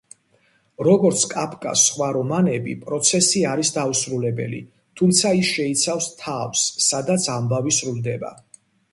როგორც კაფკას სხვა რომანები, „პროცესი“ არის დაუსრულებელი, თუმცა ის შეიცავს თავს, სადაც ამბავი სრულდება.